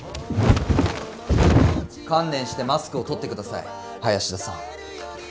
観念してマスクを取って下さい林田さん。